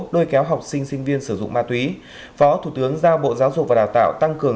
lôi kéo học sinh sinh viên sử dụng ma túy phó thủ tướng giao bộ giáo dục và đào tạo tăng cường